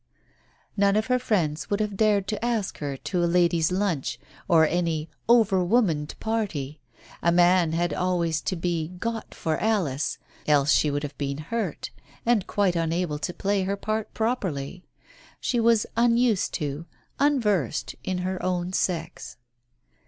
None of her friends would have dared to ask her to a ladies' lunch, or any over womaned party; a man had always to be "got for Alice," else she would have been hurt, and quite unable to play her part properly. She was unused to, unversed in her own sex.